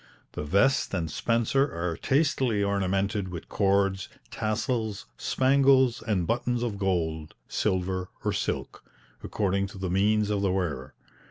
The vest and spencer are tastily ornamented with cords, tassels, spangles and buttons of gold, silver or silk, according to the means of the wearer.